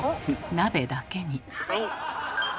鍋だけに。